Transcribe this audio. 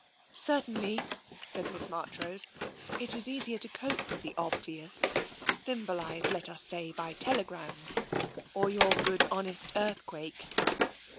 " Certainly," said Miss Marchrose, " it is easier to cope with the obvious, symbolised, let us say, by tele grams, or your good honest earthquake."